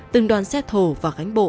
từng đoàn xe thô và gánh bộ